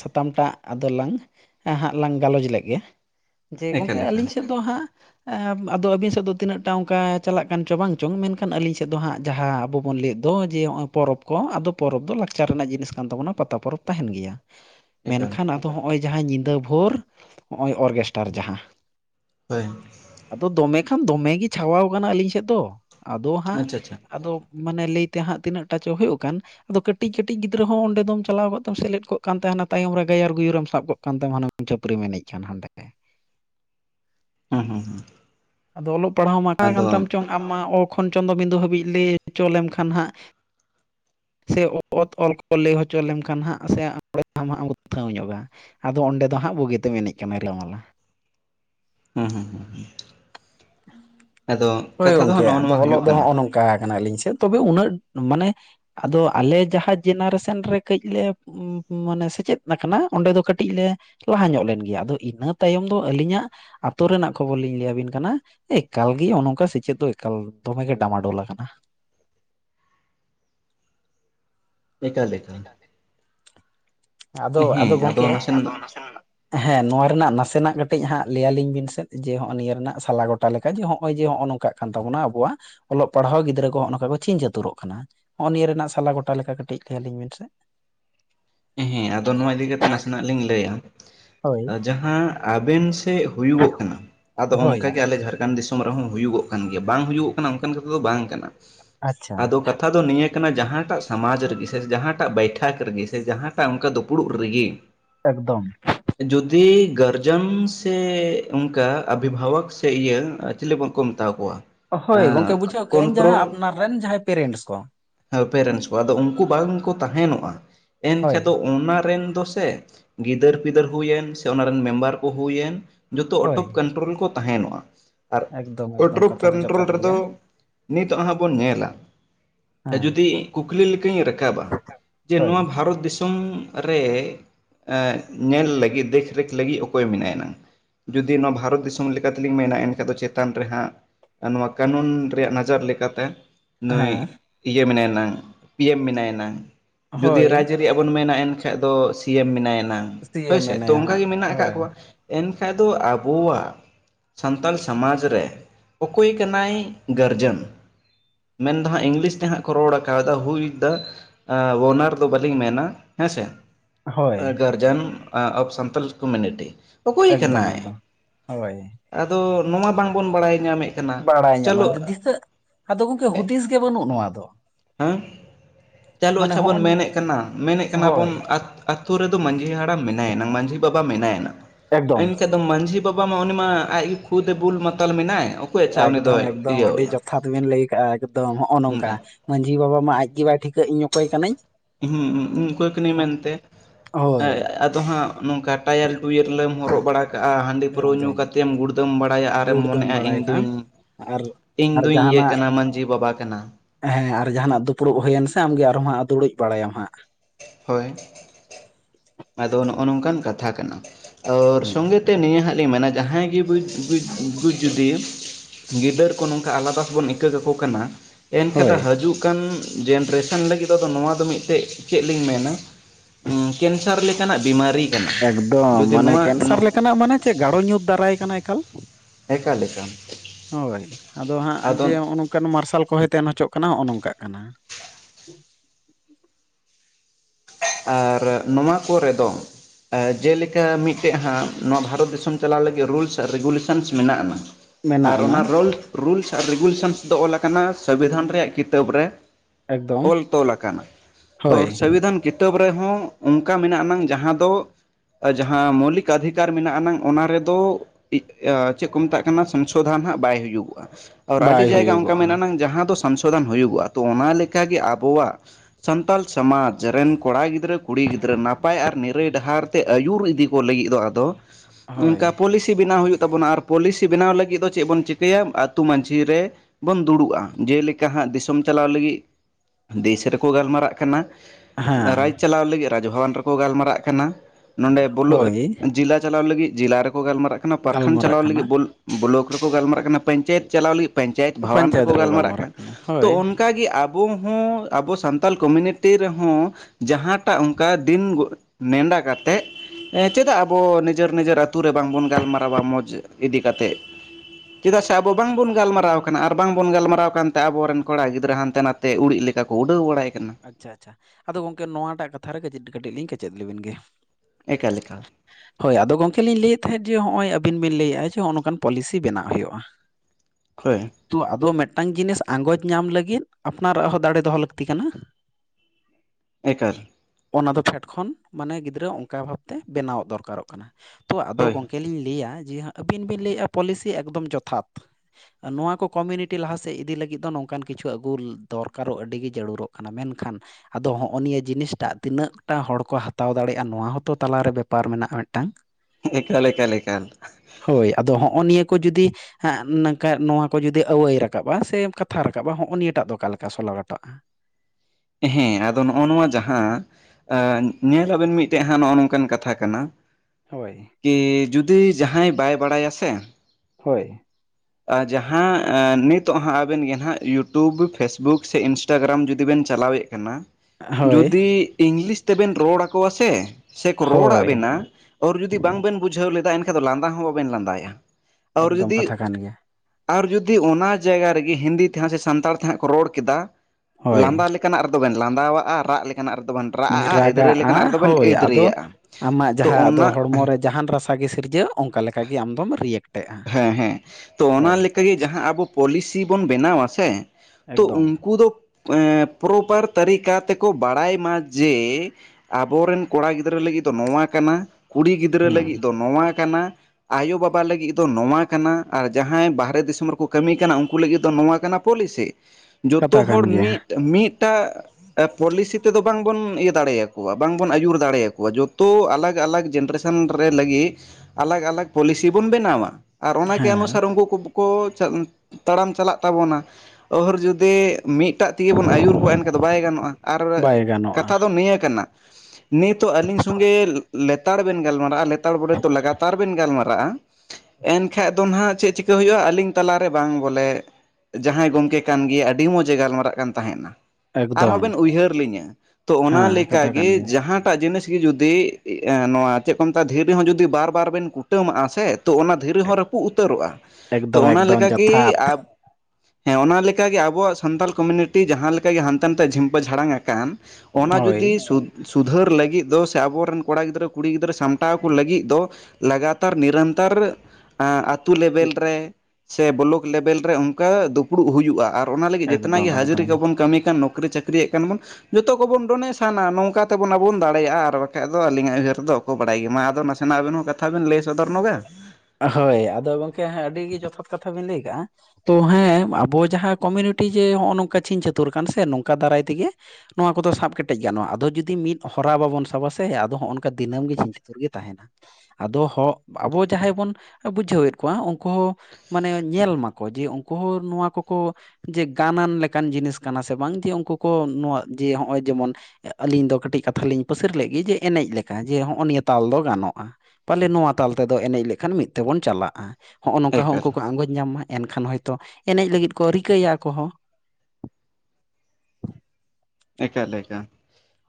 ᱥᱟᱛᱟᱢᱴᱟᱜ ᱟᱫᱚ ᱞᱟᱝ ᱮ ᱦᱟᱸᱜ ᱞᱟᱝ ᱜᱟᱞᱚᱪ ᱞᱮᱜᱮ ᱡᱮ ᱜᱚᱝᱠᱮ ᱮᱠᱟᱞ ᱮᱠᱟᱞ ᱟᱹᱞᱤᱧ ᱥᱮᱫ ᱫᱚ ᱦᱟᱸᱜ ᱟᱫᱚ ᱟᱹᱵᱤᱱ ᱥᱮᱫ ᱫᱚ ᱛᱤᱱᱟᱹᱜ ᱴᱟ ᱚᱱᱠᱟ ᱪᱟᱞᱟᱜ ᱠᱟᱱ ᱪᱚ ᱵᱟᱝ ᱪᱚᱝ ᱢᱮᱱᱠᱷᱟᱱ ᱟᱹᱞᱤᱧ ᱥᱮᱫ ᱫᱚ ᱦᱟᱸᱜ ᱡᱟᱦᱟᱸ ᱟᱵᱚ ᱵᱚᱱ ᱞᱟᱹᱭ ᱫᱚ ᱡᱮ ᱦᱚᱸᱜ-ᱚᱭ ᱯᱚᱨᱚᱵᱽ ᱠᱚ ᱟᱫᱚ ᱯᱚᱨᱚᱵᱽ ᱫᱚ ᱞᱟᱠᱪᱟᱨ ᱨᱮᱱᱟᱜ ᱡᱤᱱᱤᱥ ᱠᱟᱱ ᱛᱟᱵᱚᱱᱟ ᱯᱟᱛᱟ ᱯᱚᱨᱚᱵᱽ ᱛᱟᱦᱮᱸᱱ ᱜᱮᱭᱟ ᱮᱠᱟᱞ ᱢᱮᱱᱠᱷᱟᱱ ᱟᱫᱚ ᱦᱚᱸᱜ-ᱚᱭ ᱡᱟᱦᱟᱸ ᱧᱤᱫᱟᱹ ᱵᱷᱳᱨ ᱦᱚᱸᱜ-ᱚᱭ ᱚᱨᱜᱮᱥᱴᱟᱨ ᱡᱟᱦᱟᱸ ᱦᱳᱭ᱾ ᱟᱫᱚ ᱫᱚᱢᱮ ᱠᱷᱟᱱ ᱫᱚᱢᱮ ᱜᱮ ᱪᱷᱟᱣᱟ ᱠᱟᱱᱟ ᱟᱹᱞᱤᱧ ᱥᱮᱫ ᱫᱚ ᱟᱫᱚ ᱦᱟᱸᱜ ᱟᱪᱪᱷᱟ ᱟᱪᱪᱷᱟ ᱟᱫᱚ ᱢᱟᱱᱮ ᱞᱟᱹᱭᱛᱮ ᱦᱟᱸᱜ ᱛᱤᱱᱟᱹᱜ ᱴᱟ ᱪᱚ ᱦᱩᱭᱩᱜ ᱠᱟᱱ ᱟᱫᱚ ᱠᱟᱹᱴᱤᱡ ᱠᱟᱹᱴᱤᱡ ᱜᱤᱫᱽᱨᱟᱹ ᱦᱚᱸ ᱚᱸᱰᱮ ᱫᱚᱢ ᱪᱟᱞᱟᱣ ᱥᱮᱞᱮᱫ ᱠᱚᱜ ᱠᱟᱱ ᱛᱟᱦᱮᱸᱱᱟ ᱛᱟᱭᱚᱢ ᱨᱮ ᱜᱟᱭᱟᱨ ᱜᱩᱭᱩᱨᱮᱢ ᱥᱟᱵ ᱠᱚᱜ ᱠᱟᱱ ᱛᱮ ᱦᱟᱱᱮᱢ ᱪᱷᱟᱯᱨᱤᱢ ᱮᱱᱮᱡ ᱠᱟᱱᱟ ᱦᱟᱸᱰᱮ᱾ ᱦᱩᱸ ᱦᱩᱸ᱾ ᱟᱫᱚ ᱚᱞᱚᱜ ᱯᱟᱲᱦᱟᱣ ᱢᱟ ᱚᱠᱟ ᱟᱫᱚ ᱠᱟᱱ ᱛᱟᱢ ᱪᱚᱝ ᱟᱢ ᱢᱟ ᱚᱸ ᱠᱷᱚᱱ ᱪᱚᱱᱫᱚ ᱵᱤᱱᱫᱩ ᱦᱟᱹᱵᱤᱡ ᱞᱟᱹᱭ ᱦᱚᱪᱚ ᱞᱮᱢ ᱠᱷᱟᱱ ᱦᱟᱸᱜ ᱥᱮ ᱚ, ᱛ, ᱞ ᱠᱚᱠᱚ ᱞᱟᱹᱭ ᱦᱚᱪᱚ ᱞᱮᱢᱠᱷᱟᱱ ᱦᱟᱸᱜ ᱥᱮ [unintelligible] ᱧᱚᱜᱟ᱾ ᱟᱫᱚ ᱚᱸᱰᱮ ᱫᱚ ᱦᱟᱸᱜ ᱵᱩᱜᱤᱛᱮᱢ ᱮᱱᱮᱡ ᱠᱟᱱᱟ ᱨᱤᱞᱟᱹᱢᱟᱞᱟ᱾ ᱦᱩᱸ ᱦᱩᱸ ᱦᱩᱸ᱾ ᱟᱫᱚ ᱦᱳᱭ ᱠᱟᱛᱷᱟ ᱫᱚ ᱦᱟᱸᱜ ᱜᱚᱝᱠᱮ ᱱᱚᱜᱼᱚ ᱟᱫᱚ ᱱᱚᱣᱟ ᱚᱞᱚᱜ ᱦᱩᱭᱩᱜ ᱫᱚ ᱠᱟᱱᱟ ᱦᱚᱜ-ᱚ ᱱᱚᱝᱠᱟ ᱠᱟᱱᱟ ᱟᱹᱞᱤᱧ ᱥᱮᱫ ᱛᱚᱵᱮ ᱩᱱᱟᱹᱜ ᱢᱟᱱᱮ ᱟᱫᱚ ᱟᱞᱮ ᱡᱟᱦᱟᱸ ᱡᱮᱱᱟᱨᱮᱥᱮᱱ ᱨᱮ ᱠᱟᱹᱡ ᱞᱮ ᱢᱟᱱᱮ ᱥᱮᱪᱮᱫ ᱚᱠᱟ ᱠᱟᱱᱟ ᱚᱸᱰᱮ ᱫᱚ ᱠᱟᱹᱴᱤᱡ ᱞᱮ ᱞᱟᱦᱟ ᱧᱚᱜ ᱞᱮᱱ ᱜᱮᱭᱟ ᱟᱫᱚ ᱤᱱᱟᱹ ᱛᱟᱭᱚᱢ ᱫᱚ ᱟᱹᱞᱤᱧᱟᱜ ᱟᱛᱳ ᱨᱮᱱᱟᱜ ᱠᱷᱚᱵᱚᱨ ᱞᱤᱧ ᱞᱟᱹᱭ ᱟᱹᱵᱤᱱ ᱠᱟᱱᱟ ᱮᱠᱟᱞ ᱜᱮ ᱱᱚᱜ-ᱚ ᱱᱚᱝᱠᱟ ᱥᱮᱪᱮᱫ ᱫᱚ ᱮᱠᱟᱞ ᱫᱚᱢᱮ ᱜᱮ ᱰᱟᱢᱟᱰᱳᱞ ᱟᱠᱟᱱᱟ᱾ ᱮᱠᱟᱞ ᱮᱠᱟᱞ᱾ ᱟᱫᱚ ᱟᱫᱚ ᱜᱚᱝᱠᱮ ᱦᱮᱸ ᱟᱫᱚ ᱱᱟᱥᱮᱱᱟᱜ ᱦᱮᱸ ᱱᱚᱣᱟ ᱨᱮᱱᱟᱜ ᱱᱟᱥᱮᱱᱟᱜ ᱠᱟᱹᱴᱤᱡ ᱦᱟᱸᱜ ᱞᱟᱹᱭ ᱟᱞᱤᱧ ᱵᱤᱱ ᱥᱮᱫ ᱡᱮ ᱦᱚᱸᱜ-ᱚᱸ ᱱᱤᱭᱟᱹ ᱨᱮᱱᱟᱜ ᱥᱟᱞᱟ ᱜᱚᱴᱟ ᱞᱮᱠᱟ ᱡᱮ ᱦᱚᱸᱜᱼᱚᱭ ᱡᱮ ᱦᱚᱸᱜᱼᱚᱸ ᱱᱚᱝᱠᱟ ᱠᱟᱱ ᱛᱟᱵᱚᱱᱟ ᱟᱵᱚᱣᱟᱜ ᱚᱞᱚᱜ ᱯᱟᱲᱦᱟᱣ ᱜᱤᱫᱽᱨᱟᱹ ᱠᱚ ᱦᱚᱸᱜ-ᱚᱸ ᱱᱚᱝᱠᱟ ᱠᱚ ᱪᱮᱱᱡ ᱩᱹᱛᱟᱹᱨᱚᱜ ᱠᱟᱱᱟ᱾ ᱦᱚᱸᱜᱼᱚᱸ ᱱᱤᱭᱟᱹ ᱨᱮᱱᱟᱜ ᱥᱟᱞᱟ ᱜᱚᱴᱟ ᱞᱮᱠᱟ ᱠᱟᱹᱴᱤᱡ ᱞᱟᱹᱭ ᱟᱹᱞᱤᱧ ᱵᱤᱱ ᱥᱮ, ᱦᱮᱸ ᱟᱫᱚ ᱱᱚᱣᱟ ᱤᱫᱤ ᱠᱟᱛᱮᱫ ᱱᱟᱥᱮ ᱱᱟᱜ ᱞᱤᱧ ᱞᱟᱹᱭᱟ᱾ ᱦᱳᱭ, ᱡᱟᱦᱟᱸ ᱟᱹᱵᱤᱱ ᱥᱮᱫ ᱦᱩᱭᱩᱜ ᱜᱚᱜ ᱠᱟᱱᱟ ᱟᱫᱚ ᱦᱳᱭ ᱚᱱᱠᱟ ᱜᱮ ᱟᱞᱮ ᱡᱷᱟᱲ- ᱠᱷᱟᱱ ᱫᱤᱥᱚᱢ ᱨᱮᱦᱚᱸ ᱦᱩᱭᱩᱜ ᱜᱚᱜ ᱠᱟᱱ ᱜᱮᱭᱟ ᱵᱟᱝ ᱦᱩᱭᱩᱜ ᱜᱚᱜ ᱠᱟᱱᱟ ᱚᱱᱠᱟᱱ ᱠᱟᱛᱷᱟ ᱫᱚ ᱵᱟᱝ ᱠᱟᱱᱟ᱾ ᱟᱪᱪᱷᱟ ᱟᱫᱚ ᱠᱟ- ᱛᱷᱟ ᱫᱚ ᱱᱤᱭᱟᱹ ᱠᱟᱱᱟ ᱡᱟᱦᱟᱸ ᱴᱟᱜ ᱥᱚᱢᱟᱡᱽ ᱨᱮᱜᱮ, ᱥᱮ ᱡᱟᱦᱟᱸᱴᱟᱜ ᱵᱳᱭᱴᱷᱟᱠ ᱨᱮᱜᱮ, ᱥᱮ ᱡᱟᱦᱟᱸ ᱴᱟᱜ ᱚᱱᱠᱟ ᱫᱩᱯᱲᱩᱵ ᱨᱤᱜᱤ ᱮᱠᱫᱚᱢ ᱡᱩᱫᱤ ᱜᱟᱨᱡᱮᱱ ᱥᱮ ᱚᱱᱠᱟ ᱟᱵᱷᱤ-ᱵᱷᱟᱵᱚᱠ ᱥᱮ ᱤᱭᱟᱹ ᱪᱤᱞᱤ ᱵᱚᱱ ᱠᱚ ᱢᱮᱛᱟᱣ ᱟᱠᱚᱣᱟ? ᱦᱳᱭ ᱜᱚᱢᱠᱮ ᱵᱩᱡᱷᱟᱹᱣ ᱠᱮᱜ ᱟᱹᱧ ᱡᱟᱦᱟᱸ ᱟᱯᱱᱟᱨ ᱨᱮᱱ ᱡᱟᱦᱟᱸᱭ ᱯᱮᱨᱮᱱᱴᱥ ᱠᱚ᱾ ᱦᱳᱭ ᱯᱮᱨᱮᱱᱴᱥ ᱠᱚ ᱟᱫᱚ ᱩᱱᱠᱩ ᱵᱟᱝ ᱠᱚ ᱛᱟᱦᱮᱱᱚᱜ-ᱟ ᱮᱱ ᱦᱳᱭ ᱠᱷᱮᱫᱚ ᱚᱱᱟ ᱨᱮᱱ ᱫᱚ ᱥᱮ ᱜᱤᱫᱟᱹᱨ-ᱯᱤᱫᱟᱹᱨ ᱦᱩᱭ ᱮᱱ ᱥᱮ ᱚᱱᱟ ᱨᱮᱱ ᱢᱮᱢᱵᱟᱨ ᱠᱚ ᱦᱩᱭᱮᱱ ᱡᱚᱛᱚ ᱦᱳᱭ ᱚᱴᱚᱯ ᱠᱟᱱᱴᱨᱳᱞ ᱠᱚ ᱛᱟᱦᱮᱱᱚᱜ-ᱟ᱾ ᱟᱨ ᱮᱠᱫᱚᱢ ᱮᱠᱫᱚᱢ ᱚᱴᱨᱳᱯ ᱠᱟᱛᱷᱟ ᱫᱚ ᱠᱟᱱᱴᱨᱳᱞ ᱡᱚᱛᱷᱟᱛ ᱨᱮᱫᱚ ᱜᱮᱭᱟ ᱱᱤᱛ ᱦᱟᱸᱜ ᱵᱚᱱ ᱧᱮᱞᱟ᱾ ᱮ ᱦᱮᱸ ᱡᱩᱫᱤ ᱠᱩᱠᱞᱤ ᱞᱮᱠᱟᱹᱧ ᱨᱟᱠᱟᱵ-ᱟ ᱡᱮ ᱦᱳᱭ ᱱᱚᱣᱟ ᱵᱷᱟᱨᱚᱛ ᱫᱤ- ᱥᱚᱢ ᱨᱮ ᱮᱸᱜ ᱧᱮᱞ ᱞᱟᱹᱜᱤᱫ ᱫᱮᱠᱷ-ᱨᱮᱠᱷ ᱞᱟᱹᱜᱤᱫ ᱚᱠᱚᱭ ᱢᱮᱱᱟᱭᱟ ᱱᱟᱝ? ᱡᱩᱫᱤ ᱱᱚᱣᱟ ᱵᱷᱟᱨᱚᱛ ᱫᱤᱥᱚᱢ ᱞᱮᱠᱟ ᱛᱮᱞᱤᱧ ᱢᱮᱱᱟ ᱮᱱ ᱠᱷᱟᱡ ᱫᱚ ᱪᱮᱛᱟᱱ ᱨᱮ ᱦᱟᱸᱜ ᱟᱨ ᱱᱚᱣᱟ ᱠᱟᱹᱱᱩᱱ ᱨᱮᱭᱟᱜ ᱱᱚᱡᱟᱨ ᱞᱮᱠᱟᱛᱮ ᱦᱮᱸ ᱱᱩᱭ ᱤᱭᱟᱹ ᱢᱮᱱᱟᱭᱟ ᱱᱟᱝ ᱯᱤᱭᱮᱢ ᱢᱮᱱᱟᱭᱟ ᱱᱟᱝ ᱡᱩᱫᱤ ᱦᱳᱭ ᱨᱟᱡᱽ- ᱟᱹᱨᱤ ᱟᱜ ᱵᱚᱱ ᱢᱮᱱᱟ ᱮᱱᱠᱷᱟᱡ ᱫᱚ ᱥᱤ ᱮᱢ ᱢᱮᱱᱟᱭᱟ ᱱᱟᱝ ᱥᱤ ᱮ ᱦᱳᱭ ᱥᱮ ᱛᱚ ᱢᱮᱱᱟᱭᱟ ᱚᱱᱠᱟ ᱦᱟᱸᱜ ᱜᱮ ᱢᱮᱱᱟᱜ ᱟᱠᱟᱫ ᱦᱳᱭ ᱠᱚᱣᱟ᱾ ᱮᱱᱠᱷᱟᱡ ᱫᱚ ᱟᱵᱚᱣᱟᱜ ᱥᱟᱱᱛᱟᱞ ᱥᱚᱢᱟᱡᱽ ᱨᱮ ᱚᱠᱚᱭ ᱠᱟᱱᱟᱭ ᱜᱟᱨᱡᱮᱱ ᱢᱮᱱ ᱫᱚ ᱦᱟᱸᱜ ᱤᱝᱞᱤᱥ ᱛᱮ ᱦᱟᱸᱜ ᱠᱚ ᱨᱚᱲ ᱠᱟᱣᱫᱟ ᱦᱩ ᱤᱡ ᱫᱟ ᱟᱸ ᱚᱱᱟᱨ ᱫᱚ ᱵᱟᱹᱞᱤᱧ ᱢᱮᱱᱟ ᱦᱮᱸᱥᱮ ᱦᱳᱭ ᱜᱟᱨᱡᱮᱱ ᱚᱯᱷ ᱥᱟᱱᱛᱟᱞ ᱠᱚᱢᱤᱱᱤᱴᱤ ᱚᱠᱩᱭ ᱮᱠᱫᱚᱢ ᱠᱟᱱᱟᱭ ᱮᱠᱫᱚᱢ ᱦᱳᱭ ᱟᱫᱚ ᱱᱚᱣᱟ ᱵᱟᱝᱵᱚᱱ ᱵᱟᱲᱟᱭ ᱧᱟᱢ ᱮᱫ? ᱵᱟᱲᱟᱭ ᱧᱟᱢᱟ ᱫᱤ ᱫᱤᱥᱟᱹᱜ ᱟᱫᱚ ᱜᱚᱢᱠᱮ ᱦᱩᱫᱤᱥ ᱜᱮ ᱵᱟᱹᱱᱩᱜ ᱱᱚᱣᱟ ᱫᱚ ᱦᱩᱸ ᱪᱟᱞᱩ ᱢᱟᱱᱮ ᱟᱪᱪᱷᱟ ᱦᱚᱸᱜᱼᱚ ᱵᱚᱱ ᱱᱤᱝ ᱢᱮᱱᱮᱫ ᱠᱟᱱᱟ, ᱢᱮᱱᱮᱫ ᱠᱟᱱᱟ ᱵᱚᱱ ᱦᱳᱭ ᱟᱪ- ᱟᱛᱩ ᱨᱮ ᱫᱚ ᱢᱟᱺᱡᱷᱤ ᱦᱟᱲᱟᱢ ᱢᱮᱱᱟᱭᱟ ᱱᱟᱝ ᱢᱟᱺᱡᱷᱤ ᱵᱟᱵᱟ ᱢᱮᱱᱟᱭᱟ ᱱᱟᱝ ᱮᱠᱫᱚᱢ ᱤᱧ ᱪᱮᱫ ᱛᱚ ᱢᱟᱺᱡᱷᱤ ᱵᱟᱵᱟ ᱢᱟ ᱩᱱᱤ ᱢᱟ ᱟᱡ ᱜᱮ ᱠᱷᱩᱫ ᱮ ᱵᱩᱞ ᱢᱟᱛᱟᱞ ᱢᱮᱱᱟᱭ᱾ ᱚᱠᱚᱭ ᱟᱪᱪᱷᱟ ᱩᱱᱤ ᱮᱠᱫᱚᱢ ᱫᱚᱭ ᱮᱠᱫᱚᱢ ᱟᱹᱰᱤ ᱤᱭᱟᱹᱣᱮᱭᱟ ᱡᱚᱛᱷᱟᱛ ᱵᱤᱱ ᱞᱟᱹᱭ ᱠᱟᱜ-ᱟ, ᱮᱠᱫᱚᱢ ᱦᱚᱜ-ᱚ ᱱᱚᱝᱠᱟ ᱚᱱᱠᱟ ᱢᱟᱺᱡᱷᱤ ᱵᱟᱵᱟ ᱢᱟ ᱟᱡ ᱜᱮ ᱵᱟᱭ ᱴᱷᱤᱠᱟᱹᱜ ᱤᱧ ᱚᱠᱚᱭ ᱠᱟᱹᱱᱟᱹᱧ᱾ ᱦᱩᱸ ᱦᱩᱸ ᱦᱩᱸ ᱤᱧ ᱚᱠᱚᱭ ᱠᱟᱹᱱᱟᱹᱧ ᱢᱮᱱᱛᱮ ᱟᱡ ᱦᱳᱭ ᱟᱫᱚ ᱦᱟᱸᱜ ᱱᱚᱝᱠᱟ ᱴᱟᱭᱟᱨ ᱴᱩᱭᱮᱞᱮᱢ ᱦᱚᱨᱚᱜ ᱵᱟᱲᱟ ᱠᱟᱜ-ᱟ ᱦᱟᱺᱰᱤ ᱯᱟᱹᱨᱟᱹᱣᱟᱹ ᱧᱩ ᱮᱠᱫᱚᱢ ᱠᱟᱛᱮᱢ ᱜᱩᱲᱫᱟᱹᱢ ᱵᱟᱲᱟᱭᱟ ᱟᱨᱮᱢ ᱜᱩᱲᱫᱚᱢ ᱢᱚᱱᱮᱜ-ᱟ ᱤᱧ ᱵᱟᱲᱟᱭ ᱠᱷᱟᱱ ᱫᱩᱧ ᱟᱨ ᱤᱧ ᱟᱨ ᱫᱩᱧ ᱤᱭᱟᱹ ᱠᱟᱱᱟ ᱡᱟᱦᱟᱱᱟᱜ ᱢᱟᱺᱡᱷᱤ ᱵᱟᱵᱟ ᱠᱟᱱᱟ᱾ ᱦᱮᱸ ᱟᱨ ᱡᱟᱦᱟᱸ ᱱᱟᱜ ᱫᱩᱯᱲᱩᱵ ᱦᱩᱭᱮᱱ ᱥᱮ ᱟᱢ ᱜᱮ ᱟᱨᱚᱢ ᱦᱟᱸᱜ ᱫᱩᱲᱩᱡ ᱵᱟᱲᱟᱭᱟᱢ ᱦᱟᱸᱜ᱾ ᱦᱳᱭ ᱟᱫᱚ ᱱᱚᱜ-ᱚ ᱱᱚᱝᱠᱟᱱ ᱠᱟᱛᱷᱟ ᱠᱟᱱᱟ᱾ ᱚᱨ ᱦᱩᱸ ᱥᱚᱸᱜᱮ ᱛᱮ ᱱᱤᱭᱟᱹ ᱦᱟᱸᱜ ᱞᱤᱧ ᱢᱮᱱᱟ ᱡᱟᱦᱟᱸᱭ ᱜᱮ ᱵᱩᱡ ᱵᱩᱡ ᱜᱩᱡ ᱡᱩᱫᱤᱣ ᱜᱤᱫᱟᱹᱨ ᱠᱚ ᱱᱚᱝᱠᱟ ᱟᱞᱟᱫᱟᱥ ᱵᱚᱱ ᱤᱠᱟᱹ ᱠᱟᱠᱚ ᱠᱟᱱᱟ᱾ ᱮᱱᱠᱷᱟᱡ ᱫᱚ ᱦᱳᱭ ᱦᱟᱡᱩᱜ ᱠᱟᱱᱻ ᱡᱮᱱᱨᱮᱥᱮᱱ ᱞᱟᱹᱜᱤᱫ ᱫᱚ ᱱᱚᱣᱟ ᱫᱚ ᱢᱤᱫᱴᱮᱡ ᱪᱮᱫ ᱞᱤᱧ ᱢᱮᱱᱟ᱾ ᱠᱮᱱ- ᱥᱟᱨ ᱞᱮᱠᱟᱱᱟᱜ ᱵᱤᱢᱟᱹᱨᱤ ᱮᱠᱫᱚᱢ ᱢᱟᱱᱮ ᱠᱮᱱᱥᱟᱨ ᱞᱮᱠᱟᱱᱟᱜ ᱢᱟᱱᱮ ᱪᱮᱫ ᱜᱟᱲᱚ ᱧᱩᱛ ᱫᱟᱨᱟᱭ ᱠᱟᱱᱟ ᱮᱠᱟᱞ᱾ ᱮᱠᱟᱞ ᱮᱠᱟᱞ ᱦᱳᱭ ᱟᱫᱚ ᱦᱟᱸᱜ ᱡᱮ ᱟᱫᱚ ᱦᱚᱜ-ᱚ ᱱᱚᱜ- ᱠᱟᱱ ᱢᱟᱨᱥᱟᱞ ᱠᱚ ᱦᱚᱭᱛᱮ ᱟᱱᱟᱪᱚᱜ ᱠᱟᱱᱟ ᱦᱚᱸᱼᱚ ᱱᱚᱝᱠᱟᱜ ᱠᱟᱱᱟ᱾ ᱟᱨ ᱱᱚᱣᱟ ᱠᱚ ᱨᱮᱫᱚ ᱮᱹ ᱡᱮᱞᱮᱠᱟ ᱢᱤᱜᱴᱮᱡ ᱦᱟᱸᱜ ᱱᱚᱣᱟ ᱵᱷᱟᱨᱚᱛ ᱫᱤᱥᱚᱢ ᱪᱟᱞᱟᱣ ᱞᱟᱹᱜᱤᱫ ᱨᱩᱞᱥ ᱟᱨ ᱨᱮᱜᱩᱞᱮᱥᱚᱱᱥ ᱢᱮᱱᱟᱜ ᱟᱱᱟ᱾ ᱢᱮᱱᱟᱜ ᱟᱨ ᱟᱱᱟ ᱚᱱᱟ ᱨᱳᱞ ᱨᱩᱞᱥ ᱟᱨ ᱨᱮᱜᱩᱞᱮᱥᱚᱱᱥ ᱫᱚ ᱚᱞ ᱟᱠᱟᱱᱟ ᱥᱚᱵᱤᱫᱷᱟᱱ ᱨᱮᱭᱟᱜ ᱠᱤᱛᱟᱹᱵ ᱨᱮ᱾ ᱮᱠᱫᱚᱢ ᱚᱞ ᱛᱚᱞ ᱟᱠᱟᱱᱟ, ᱚᱨ ᱦᱳᱭ ᱥᱚᱵᱤᱫᱷᱟᱱ ᱴᱟᱹᱵ ᱨᱮᱦᱚᱸ ᱚᱱᱠᱟ ᱢᱮᱱᱟᱜ ᱟᱱᱟᱝ ᱡᱟᱦᱟᱸ ᱫᱚ ᱟ ᱡᱟᱦᱟᱸ ᱢᱳᱣᱞᱤᱠ ᱟᱫᱷᱤᱠᱟᱨ ᱢᱮᱱᱟᱜ ᱟᱱᱟᱝ ᱚᱱᱟ ᱨᱮᱫᱚ ᱮᱹ ᱪᱮᱜ ᱠᱚ ᱢᱮᱛᱟᱜ ᱠᱟᱱᱟ ᱥᱚᱝᱥᱳᱫᱷᱟᱱ ᱦᱟᱸᱜ ᱵᱟᱭ ᱦᱩᱭᱩᱜᱚᱜᱼᱟ᱾ ᱟᱨ ᱟᱹᱰᱤ ᱵᱟᱭ ᱡᱟᱭᱜᱟ ᱚᱱᱠᱟ ᱢᱮᱱᱟᱜ ᱦᱩᱭᱩᱜᱚᱜᱼᱟ ᱟᱱᱟᱝ ᱡᱟᱦᱟᱸ ᱫᱚ ᱥᱚᱱᱥᱳᱫᱚᱱ ᱦᱳᱭᱩᱜᱚᱼᱟ ᱛᱚ ᱚᱱᱟ ᱞᱮᱠᱟᱜᱮ ᱟᱵᱚᱣᱟᱜ ᱥᱟᱱᱛᱟᱞ ᱥᱟᱢᱟᱡ ᱨᱮ ᱠᱚᱲᱟ ᱜᱤᱫᱽᱨᱟᱹ ᱠᱩᱲᱤ ᱜᱤᱫᱽᱨᱟᱹ ᱱᱟᱯᱟᱭ ᱟᱨ ᱱᱤᱨᱟᱹᱭ ᱰᱟᱦᱟᱨ ᱛᱮ ᱟᱹᱭᱩᱨ ᱤᱫᱤ ᱠᱚ ᱞᱟᱹᱜᱤᱜ ᱫᱚ ᱟᱫᱚ ᱚᱱᱠᱟ ᱦᱳᱭ ᱯᱚᱞᱤᱥᱤ ᱵᱮᱱᱟᱣ ᱦᱩᱭᱩᱜ ᱛᱟᱵᱚᱱᱟ ᱟᱨ ᱯᱚᱞᱤᱥᱤ ᱵᱮᱱᱟᱣ ᱞᱟᱹᱜᱤᱜ ᱫᱚ ᱪᱮᱜ ᱵᱚᱱ ᱪᱤᱠᱟᱹᱭᱟ ᱟᱛᱳ ᱢᱟᱺᱡᱷᱤ ᱨᱮ ᱵᱚᱱ ᱫᱩᱲᱩᱵᱼᱟ ᱡᱮᱞᱮᱠᱟ ᱦᱟᱸᱜ ᱫᱤᱥᱚᱢ ᱪᱟᱞᱟᱣ ᱞᱟᱹᱜᱤᱜ ᱫᱮᱥ ᱨᱮᱠᱚ ᱜᱟᱞᱢᱟᱨᱟᱜ ᱠᱟᱱᱟ᱾ ᱨᱟᱡᱽ ᱦᱮᱸ ᱪᱟᱞᱟᱣ ᱞᱟᱹᱜᱤᱜ ᱨᱟᱡᱽᱵᱷᱚᱵᱚᱱ ᱨᱮᱠᱚ ᱜᱟᱞᱢᱟᱨᱟᱜ ᱠᱟᱱᱟ ᱱᱚᱰᱮ ᱵᱩᱞᱟᱹᱜ ᱦᱳᱭ ᱡᱮᱞᱟ ᱪᱟᱞᱟᱣ ᱞᱟᱹᱜᱤᱜ ᱡᱮᱞᱟ ᱨᱮᱠᱚ ᱜᱟᱞᱢᱟᱨᱟᱜ ᱠᱟᱱᱟ, ᱯᱟᱨᱠᱷᱚᱸᱰ ᱜᱟᱞᱢᱟᱨᱟᱜ ᱪᱟᱞᱟᱣ ᱠᱟᱱᱟ ᱞᱟᱹᱜᱤᱜ ᱵᱳᱞ-ᱵᱚᱞᱚᱠ ᱨᱮᱠᱚ ᱜᱟᱞᱢᱟᱨᱟᱜ ᱠᱟᱱᱟ, ᱯᱚᱧᱪᱟᱭᱮᱛ ᱪᱟᱞᱟᱣ ᱞᱟᱹᱜᱤᱜ ᱯᱚᱧᱪᱟᱭᱮᱛ ᱵᱟᱷᱟᱣᱟᱱ ᱨᱮᱠᱚ ᱜᱟᱞᱢᱟᱨᱟᱜ ᱠᱟᱱᱟ ᱛᱚ ᱚᱱᱠᱟ ᱜᱮ ᱟᱵ ᱵᱚ ᱦᱚᱸ ᱟᱵᱚ ᱥᱟᱱᱛᱟᱞ ᱠᱩᱢᱤᱱᱤᱴᱤ ᱨᱮᱦᱚᱸ ᱡᱟᱦᱟᱸᱴᱟᱜ ᱚᱱᱠᱟ ᱫᱤᱱ ᱜᱩ ᱱᱮᱰᱟ ᱠᱟᱛᱮᱜ ᱪᱮᱫᱟᱜ ᱟᱵᱚ ᱱᱤᱡᱮᱨ ᱱᱤᱡᱮᱨ ᱟ ᱛᱩ ᱨᱮ ᱵᱟᱝ ᱵᱚᱱ ᱜᱟᱞᱢᱟᱨᱟᱣᱟ ᱢᱚᱡᱽ ᱤᱫᱤ ᱠᱟᱛᱮᱜ᱾ ᱪᱮᱫᱟᱜ ᱥᱮ ᱟᱵᱚ ᱵᱟᱝᱵᱚᱱ ᱜᱟᱞᱢᱟᱨᱟᱣ ᱠᱟᱱᱟ ᱟᱨ ᱵᱟᱝᱵᱚᱱ ᱜᱟᱞᱢᱟᱨᱟᱣ ᱠᱟᱱᱛᱮ ᱟᱵᱚᱨᱮᱱ ᱠᱚᱲᱟ ᱜᱤᱫᱽᱨᱟᱹ ᱦᱟᱱᱛᱮ ᱱᱟ ᱛᱮ ᱩᱲᱤᱡ ᱞᱮᱠᱟ ᱠᱚ ᱩᱰᱟᱹᱣ ᱵᱟᱲᱟᱭ ᱠᱟᱱᱟ᱾ ᱟᱪᱪᱷᱟ ᱟᱪᱪᱷᱟ, ᱟᱫᱚ ᱜᱚᱝᱠᱮ ᱱᱚᱣᱟᱴᱟᱜ ᱠᱟᱛᱷᱟ ᱨᱮ ᱠᱟᱹᱪᱤᱰ ᱠᱟᱹᱴᱤᱡ ᱞᱤᱧ ᱠᱮᱪᱮᱫ ᱞᱮᱵᱮᱱ ᱜᱮ᱾ ᱮᱠᱟᱞ ᱮᱠᱟᱞ᱾ ᱦᱳᱭ ᱟᱫᱚ ᱜᱚᱝᱠᱮ ᱞᱤᱧ ᱞᱟᱹᱭᱮᱫ ᱛᱟᱦᱮᱸᱫ ᱡᱮ ᱦᱚᱸᱼᱚᱭ ᱟᱹᱵᱤᱱ ᱵᱤᱱ ᱞᱟᱹᱭᱮᱼᱟ ᱡᱮ ᱦᱚᱼᱚ ᱱᱚᱠᱟᱱ ᱯᱚᱞᱤᱥᱤ ᱵᱮᱱᱟᱜ ᱦᱩᱭᱩᱜᱼᱟ᱾ [inaudible] ᱦᱳᱭ᱾ ᱪᱚ ᱟᱫᱚ ᱢᱮᱜᱴᱟᱝ ᱡᱤᱱᱤᱥ ᱟᱸᱜᱚᱪ ᱧᱟᱢ ᱞᱟᱹᱜᱤᱫ ᱟᱯᱱᱟᱨᱟᱜ ᱦᱚᱸ ᱫᱟᱲᱮ ᱫᱚᱦᱚ ᱞᱟᱹᱠᱛᱤ ᱠᱟᱱᱟ᱾ ᱮᱠᱟᱞ ᱾ ᱚᱱᱟ ᱫᱚ ᱯᱷᱮᱴ ᱠᱷᱚᱱ ᱢᱟᱱᱮ ᱜᱤᱫᱽᱨᱟᱹᱣ ᱟᱜ ᱚᱝᱠᱟ ᱵᱷᱟᱵᱛᱮ ᱵᱮᱱᱟᱣᱚᱜ ᱫᱚᱨᱠᱟᱨᱚᱜ ᱠᱟᱱᱟ᱾ ᱛᱚ ᱟᱫᱚ ᱦᱳᱭ ᱜᱚᱝᱠᱮ ᱞᱤᱧ ᱞᱟᱹᱭᱟ ᱡᱮ ᱦᱟᱜ ᱟᱹᱵᱤᱱ ᱵᱤᱱ ᱞᱟᱹᱭ ᱮᱜᱼᱟ ᱯᱚᱞᱤᱥᱤ ᱮᱠᱫᱚᱢ ᱡᱚᱛᱷᱟᱛ᱾ ᱱᱚᱣᱟ ᱠᱚ ᱠᱚᱢᱤᱱᱤᱴᱤ ᱞᱟᱦᱟ ᱥᱮᱡ ᱤᱫᱤ ᱞᱟᱹᱜᱤᱫ ᱫᱚ ᱱᱚᱝᱠᱟᱱ ᱠᱤᱪᱷᱩ ᱟᱹᱜᱩ ᱫᱚᱨᱠᱟᱨᱚᱜ ᱟᱹᱰᱤ ᱜᱮ ᱡᱟᱹᱲᱩᱨᱚᱜ᱾ ᱠᱟᱱᱟ ᱢᱮᱱᱠᱷᱟᱱ ᱟᱫᱚ ᱦᱚᱸᱼᱚ ᱱᱤᱭᱟᱹ ᱡᱤᱱᱤᱥᱴᱟᱜ ᱛᱤᱱᱟᱹᱜ ᱴᱟ ᱦᱚᱲ ᱠᱚ ᱦᱟᱛᱟᱣ ᱫᱟᱲᱮᱜᱼᱟ ᱱᱚᱣᱟ ᱦᱚᱸᱛᱚ ᱛᱟᱞᱟᱨᱮ ᱵᱮᱯᱟᱨ ᱢᱮᱱᱟᱜᱼᱟ ᱢᱤᱜᱴᱟᱝ᱾ ᱮᱠᱟᱞ ᱮᱠᱟᱞ ᱮᱠᱟᱞ᱾ ᱦᱳᱭ ᱟᱫᱚ ᱦᱚᱜᱼᱚ ᱱᱤᱭᱟᱹ ᱠᱚ ᱡᱩᱫᱤ ᱦᱮᱸ ᱱᱚᱝᱠᱟ ᱱᱚᱣᱟ ᱠᱚ ᱡᱩᱫᱤ ᱟᱹᱣᱟᱹᱭ ᱨᱟᱠᱟᱵᱼᱟ ᱥᱮ ᱠᱟᱛᱷᱟ ᱨᱟᱠᱟᱵᱼᱟ ᱦᱚᱜᱼᱚ ᱱᱤᱭᱟᱹᱴᱟᱜ ᱫᱚ ᱚᱠᱟ ᱥᱚᱞᱚ ᱜᱟᱴᱟᱜᱼᱟ? ᱦᱮᱸ ᱟᱫᱚ ᱱᱚᱜᱼᱚ ᱱᱚᱣᱟ ᱡᱟᱦᱟᱸ ᱟ ᱧᱮᱞ ᱟᱵᱮᱱ ᱢᱤᱜᱴᱮᱡ ᱦᱟᱸᱜ ᱱᱚᱜᱼᱚ ᱱᱚᱝᱠᱟᱱ ᱠᱟᱛᱷᱟ ᱠᱟᱱᱟ᱾ ᱦᱳᱭ᱾ ᱠᱤ ᱡᱩᱫᱤ ᱡᱟᱦᱟᱸᱭ ᱵᱟᱭ ᱵᱟᱲᱟᱭᱟ ᱥᱮ᱾ ᱦᱳᱭ᱾ ᱟ ᱡᱟᱦᱟᱸ ᱮᱸ ᱱᱤᱛᱚᱜ ᱦᱟᱸᱜ ᱟᱵᱮᱱ ᱜᱮ ᱱᱟᱦᱟᱜ ᱤᱭᱩᱴᱩᱵ ᱯᱷᱮᱥᱵᱩᱠ ᱥᱮ ᱤᱱᱥ ᱴᱟᱜᱨᱟᱢ ᱡᱩᱫᱤ ᱵᱮᱱ ᱪᱟᱞᱟᱣᱮᱜ ᱠᱟᱱᱟ ᱦᱳᱭ ᱡᱩᱫᱤ ᱤᱝᱞᱤᱥ ᱛᱮᱵᱮᱱ ᱨᱚᱲ ᱟᱠᱚᱣᱟ ᱥᱮ ᱥᱮᱠᱚ ᱨᱚᱲᱟᱜ ᱦᱳᱭ ᱵᱮᱱᱟ᱾ ᱦᱚᱨ ᱡᱩᱫᱤ ᱵᱟᱝᱵᱮᱱ ᱵᱩᱡᱷᱟᱹᱣ ᱞᱮᱫᱟ ᱮᱱᱠᱷᱟ ᱫᱚ ᱞᱟᱸᱫᱟ ᱦᱚᱸ ᱵᱟᱵᱮᱱ ᱞᱟᱸᱫᱟᱭᱟ ᱾ ᱮᱠᱫᱚᱢ ᱠᱟᱛᱷᱟ ᱠᱟᱱ ᱜᱮᱭᱟ ᱾ ᱟᱨ ᱡᱩᱫᱤ ᱚᱱᱟ ᱡᱟᱭᱜᱟ ᱨᱮᱜᱮ ᱦᱤᱱᱫᱤ ᱛᱮ ᱟᱸᱜ ᱥᱮ ᱥᱟᱱᱛᱟᱲ ᱛᱮ ᱦᱟᱸᱜ ᱠᱚ ᱨᱚᱲ ᱠᱮᱫᱟ ᱞᱟᱸᱫᱟ ᱦᱳᱭ ᱞᱮᱠᱟ ᱞᱮᱠᱟᱱᱟᱜ ᱨᱮᱫᱚ ᱵᱮᱱ ᱞᱟᱸᱫᱟᱣᱟᱜᱼᱟ ᱨᱟᱜ ᱞᱮᱠᱟᱱᱟᱜ ᱨᱮᱫᱚ ᱵᱮᱱ ᱨᱟᱜᱼᱟ ᱨᱟᱜᱟᱜᱼᱟ ᱟᱹᱫᱽᱨᱟᱹ ᱞᱮᱠᱟᱱᱟᱜ ᱨᱮᱫᱚ ᱵᱮᱱ ᱦᱳᱭ ᱟᱫᱚ ᱟᱹᱫᱽᱨᱟᱹᱭᱟᱜᱼᱟ ᱟᱢᱟᱜ ᱛᱚ ᱡᱟᱦᱟᱸ ᱟᱫᱚ ᱚᱱᱟ ᱦᱚᱲᱢᱚ ᱨᱮ ᱡᱟᱦᱟᱱ ᱨᱟᱥ ᱥᱟᱜᱮ ᱥᱤᱨᱡᱟᱹ ᱚᱱᱠᱟ ᱞᱮᱠᱟᱜᱮ ᱟᱢᱫᱚᱢ ᱨᱤᱭᱮᱠᱴ ᱦᱮᱸ ᱦᱮᱸ ᱛᱚ ᱚᱱᱟ ᱞᱮᱠᱟ ᱜᱮ ᱡᱟᱦᱟᱸ ᱟᱵᱚ ᱯᱚᱞᱤᱥᱤ ᱵᱚᱱ ᱵᱮᱱᱟᱣᱟ ᱥᱮ ᱾ ᱛᱚ ᱮᱠᱫᱚᱢ ᱩᱱᱠᱩ ᱫᱚ ᱯᱨᱚᱯᱟᱨ ᱛᱟᱹᱨᱤᱠᱟ ᱛᱮᱠᱚ ᱵᱟᱲᱟᱭ ᱢᱟ ᱡᱮᱼᱼ ᱟᱵᱚᱨᱮᱱ ᱠᱚᱲᱟ ᱜᱤᱫᱽᱨᱟᱹ ᱞᱟᱹᱜᱤᱫ ᱫᱚ ᱱᱚᱣᱟ ᱠᱟᱱᱟ ᱾ ᱠᱩᱲᱤ ᱜᱤᱫᱽᱨᱟᱹ ᱦᱮᱸ ᱞᱟᱹᱜᱤᱫ ᱫᱚ ᱱᱚᱣᱟ ᱠᱟᱱᱟ, ᱟᱭᱳᱼᱵᱟᱵᱟ ᱞᱟᱹᱜᱤᱫ ᱫᱚᱼᱼ ᱫᱚ ᱠᱟᱱᱟ, ᱟᱨ ᱡᱟᱦᱟᱸᱭ ᱵᱟᱦᱨᱮ ᱫᱤᱥᱚᱢ ᱨᱮᱠᱚ ᱠᱟᱹᱢᱤ ᱠᱟᱱᱟ ᱩᱱᱠᱩ ᱞᱟᱹᱜᱤᱫ ᱫᱚ ᱱᱚᱣᱟ ᱠᱟᱱᱟ ᱯᱚᱞᱤᱥᱤ ᱾ ᱠᱟᱛᱷᱟ ᱡᱚᱛᱚ ᱠᱟᱱ ᱦᱚᱲ ᱜᱮᱭᱟ ᱢᱤᱫ ᱢᱤᱴᱟᱜᱼᱼ ᱯᱚᱞᱤᱥᱤ ᱛᱮᱫᱚ ᱵᱟᱝᱵᱚᱱ ᱤᱭᱟᱹ ᱫᱟᱲᱮᱭᱟ ᱠᱚᱣᱟ ᱵᱟᱝᱵᱚᱱ ᱟᱹᱭᱩᱨ ᱫᱟᱲᱮᱭᱟ ᱠᱚᱣᱟ ᱡᱚᱛᱚ ᱟᱞᱟᱜᱽ ᱟᱞᱟᱜᱽ ᱡᱮᱱᱮᱨᱮᱥᱮ ᱾ ᱥᱮᱱ ᱨᱮ ᱞᱟᱹᱜᱤᱫ ᱟᱞᱟᱜᱽ ᱟᱞᱟᱜᱽ ᱯᱚᱞᱤᱥᱤ ᱵᱚᱱ ᱵᱮᱱᱟᱣᱟ ᱾ ᱟᱨ ᱚᱱᱟ ᱠᱤ ᱦᱮᱸ ᱚᱱᱩᱥᱟᱨ ᱩᱱᱠᱩ ᱠᱚᱠᱚ [inaudible] ᱛᱟᱲᱟᱢ ᱪᱟᱞᱟᱜ ᱛᱟᱵᱚᱱᱟ ᱟᱨ ᱡᱩᱫᱤᱼᱼ ᱢᱤᱫᱴᱟᱜ ᱛᱮᱜᱮ ᱵᱚᱱ ᱟᱹᱭᱩᱨ ᱠᱚᱣᱟ ᱮᱱᱠᱷᱟᱱ ᱫᱚ ᱵᱟᱭ ᱜᱟᱱᱚᱜᱼᱟ ᱟᱨ ᱵᱟᱭ ᱜᱟᱱᱚᱜᱼᱟ ᱠᱟᱛᱷᱟ ᱫᱚ ᱱᱤᱭᱟᱹ ᱠᱟᱱᱟᱼᱼ ᱱᱤᱛᱚᱜ ᱟᱹᱞᱤᱧ ᱥᱚᱸᱜᱮ ᱞᱮᱛᱟᱲ ᱵᱮᱱ ᱜᱟᱞᱢᱟᱨᱟᱜᱼᱟ ᱞᱮᱛᱟᱲ ᱵᱚᱨᱮ ᱛᱚ ᱞᱟᱜᱟᱛᱟᱨ ᱵᱮᱱ ᱜᱟᱞᱢᱟᱨᱟᱜᱼᱟ ᱾ ᱮᱱᱠᱷᱟᱡ ᱫᱚ ᱱᱟᱻᱦᱟᱜ ᱪᱮᱫ ᱪᱤᱠᱟᱹ ᱦᱩᱭᱩᱜᱼᱟ ᱟᱹᱞᱤᱧ ᱛᱟᱞᱟᱨᱮ ᱵᱟᱝ ᱵᱚᱞᱮᱼᱼ ᱡᱟᱦᱟᱸᱭ ᱜᱚᱢᱠᱮ ᱠᱟᱱ ᱜᱮ ᱟᱹᱰᱤ ᱢᱚᱸᱡᱽᱮ ᱜᱟᱞᱢᱟᱨᱟᱜ ᱠᱟᱱ ᱛᱟᱦᱮᱸᱱᱟ ᱾ ᱟᱨᱦᱚᱸ ᱮᱠᱫᱚᱢ ᱵᱮᱱ ᱩᱭᱦᱟᱹᱨ ᱞᱤᱧᱟᱹ ᱛᱚ ᱚᱱᱟ ᱦᱮᱸ ᱠᱟᱛᱷᱟ ᱠᱟᱱ ᱞᱮᱠᱟᱜᱮ ᱜᱮᱭᱟ ᱡᱟᱦᱟᱸᱼᱼ ᱮᱴᱟᱜ ᱡᱤᱱᱤᱥ ᱜᱮ ᱡᱩᱫᱤ ᱮ ᱱᱚᱣᱟ ᱪᱮᱫ ᱠᱚ ᱢᱮᱛᱟᱜᱼᱟ ᱫᱷᱤᱨᱤ ᱦᱚᱸ ᱡᱩᱫᱤ ᱵᱟᱨ ᱵᱟᱨ ᱵᱮᱱ ᱠᱩᱴᱟᱹᱢᱟᱜᱼᱟ ᱥᱮ ᱛᱚ ᱚᱱᱟᱼᱼ ᱫᱷᱤᱨᱤ ᱦᱚᱸ ᱨᱟᱹᱯᱩᱜ ᱩᱛᱟᱹᱨᱚᱜᱼᱟ ᱛᱚ ᱮᱠᱫᱚᱢ ᱚᱱᱟ ᱮᱠᱫᱚᱢ ᱞᱮᱠᱟᱜᱮ ᱡᱚᱛᱷᱟᱛ ᱟᱼᱼ ᱦᱮᱸ ᱚᱱᱟ ᱞᱮᱠᱟ ᱜᱮ ᱟᱵᱚᱣᱟᱜ ᱥᱟᱱᱛᱟᱞ ᱠᱚᱢᱩᱱᱤᱴᱤ ᱡᱟᱦᱟᱸ ᱞᱮᱠᱟ ᱜᱮ ᱦᱟᱱᱛᱮ ᱱᱟᱛᱮ ᱡᱷᱤᱢᱯᱟᱹ ᱡᱷᱟᱲᱟᱝ ᱟᱠᱟᱱ ᱾ ᱚᱱᱟ ᱦᱳᱭ ᱡᱩᱫᱤ ᱥᱩᱼᱼ ᱥᱩᱫᱷᱟᱹᱨ ᱞᱟᱹᱜᱤᱫ ᱫᱚ ᱥᱮ ᱟᱵᱚᱨᱮᱱ ᱠᱚᱲᱟ ᱜᱤᱫᱽᱨᱟᱹ ᱠᱩᱲᱤ ᱜᱤᱫᱽᱨᱟᱹ ᱥᱟᱢᱴᱟᱣ ᱠᱚ ᱞᱟᱹᱜᱤᱫ ᱫᱚᱼᱼ ᱞᱟᱜᱟᱛᱟᱨ ᱱᱤᱨᱚᱱᱛᱟᱨᱼᱼ ᱮᱸᱻ ᱟᱛᱳ ᱞᱮᱵᱮᱞ ᱨᱮ ᱥᱮ ᱵᱚᱞᱚᱠ ᱞᱮᱵᱮᱞ ᱨᱮ ᱚᱱᱠᱟ ᱫᱩᱯᱲᱩᱵ ᱦᱩᱭᱩᱜᱼᱟ, ᱟᱨᱼᱼ ᱚᱱᱟ ᱞᱟᱹᱜᱤᱫ ᱡᱚᱛᱚᱱᱟᱜ ᱮᱠᱫᱚᱢ ᱜᱮ ᱦᱟᱹᱡᱨᱤ ᱮᱠᱫᱚᱢ ᱠᱚᱵᱚᱱ ᱠᱟᱹᱢᱤ ᱠᱟᱱ ᱱᱚᱠᱨᱤ ᱪᱟᱹᱠᱨᱤᱭᱮᱫ ᱠᱟᱱ ᱵᱚᱱ ᱾ ᱡᱚᱛᱚ ᱠᱚᱵᱚᱱ ᱰᱱᱮᱥᱚᱱᱟ ᱱᱚᱝᱠᱟ ᱛᱮᱵᱚᱱ ᱟᱵᱚᱱ ᱫᱟᱲᱮᱭᱟᱜᱼᱟ ᱟᱨ ᱵᱟᱠᱷᱟᱡ ᱫᱚ ᱟᱹᱞᱤᱧᱟᱜ [inaudible] ᱫᱚ ᱾ ᱵᱟᱠᱚ ᱵᱟᱲᱟᱭ ᱜᱮ ᱢᱟ ᱟᱫᱚ ᱱᱟᱥᱮᱱᱟᱜ ᱟᱵᱮᱱ ᱦᱚᱸ ᱠᱟᱛᱷᱟ ᱵᱮᱱ ᱞᱟᱹᱭ ᱥᱚᱫᱚᱨ ᱱᱚᱜᱽᱼᱟᱼᱼ ᱦᱳᱭ ᱟᱫᱚ ᱜᱚᱢᱠᱮ ᱟᱹᱰᱤ ᱜᱮ ᱡᱚᱛᱷᱟᱛ ᱠᱟᱛᱷᱟ ᱵᱤᱱ ᱞᱟᱹᱭ ᱠᱟᱜᱼᱟ ᱾ ᱛᱚ ᱦᱮᱸ ᱟᱵᱚ ᱡᱟᱦᱟᱸ ᱠᱚᱢᱤᱭᱩᱱᱤᱴᱤ ᱡᱮ ᱱᱚᱜᱼᱚ ᱱᱚᱝᱠᱟ ᱪᱷᱤᱢ ᱪᱷᱟᱹᱛᱩᱨ ᱠᱟᱱ ᱥᱮ ᱱᱚᱝᱠᱟ ᱫᱟᱨᱟᱭ ᱛᱮᱜᱮᱼᱼ ᱱᱚᱣᱟ ᱠᱚᱫᱚ ᱥᱟᱵ ᱠᱮᱴᱮᱡ ᱜᱟᱱᱚᱜᱼᱟ ᱟᱫᱚ ᱡᱩᱫᱤ ᱢᱤᱫ ᱦᱚᱨᱟ ᱵᱟᱵᱚᱱ ᱥᱟᱵ ᱥᱮ ᱟᱫᱚ ᱦᱚᱸᱜᱼᱚ ᱱᱝᱠᱟ ᱫᱤᱱᱟᱹᱢ ᱜᱮ ᱜᱮ ᱛᱟᱦᱮᱱᱟ ᱟᱫᱚ ᱟᱵᱚ ᱡᱟᱦᱟᱸᱭ ᱵᱚᱱ ᱵᱩᱡᱷᱟᱹᱣᱮᱫ ᱠᱚᱣᱟ ᱩᱱᱠᱩ ᱦᱚᱸᱼᱼ ᱢᱟᱱᱮ ᱧᱮᱞ ᱢᱟᱠᱚ ᱡᱮ ᱩᱱᱠᱩ ᱦᱚᱸ ᱱᱚᱣᱟ ᱠᱚᱠᱚᱼᱼ ᱡᱮ ᱜᱟᱱᱟᱱ ᱞᱮᱠᱟᱱ ᱡᱤᱱᱤᱥ ᱠᱟᱱᱟ ᱥᱮ ᱵᱟᱝ ᱡᱮ ᱩᱱᱠᱩ ᱠᱚ ᱱᱚᱣᱟ ᱡᱮ ᱦᱸᱚᱜᱼᱚᱭ ᱡᱮᱢᱚᱱᱼᱼ ᱟᱹᱞᱤᱧ ᱫᱚ ᱠᱟᱹᱴᱤᱡ ᱠᱟᱛᱷᱟ ᱞᱤᱧ ᱯᱟᱹᱥᱤᱨ ᱞᱮᱜᱮ ᱡᱮ ᱮᱱᱮᱡ ᱞᱮᱠᱟ ᱡᱮ ᱦᱚᱸᱜᱼᱚ ᱱᱤᱭᱟᱹ ᱛᱟᱞ ᱫᱚ ᱜᱟᱱᱚᱜᱼᱟ ᱾ ᱯᱟᱞᱮ ᱱᱚᱣᱟ ᱛᱟᱞ ᱛᱮᱫᱚ ᱮᱱᱮᱡ ᱞᱮᱠᱷᱟᱱ ᱢᱤᱫ ᱛᱮᱵᱚᱱ ᱪᱟᱞᱟᱜᱼᱟ ᱦᱚᱸᱜᱼᱚ ᱱᱚᱝᱠᱟ ᱦᱚᱸ ᱮᱠᱟᱞ ᱩᱱᱠᱩ ᱠᱚ ᱟᱸᱜᱚᱪᱼᱼ ᱧᱟᱢ ᱢᱟ ᱮᱱᱠᱷᱟᱱ ᱦᱚᱭᱛᱳ ᱮᱱᱮᱡ ᱞᱟᱹᱜᱤᱫ ᱠᱚ ᱨᱤᱠᱟᱹᱭᱟ ᱟᱠᱚ ᱦᱚᱸ ᱾ ᱮᱠᱟᱞ ᱮᱠᱟᱞ ᱾